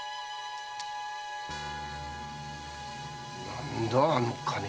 ・何だあの金は？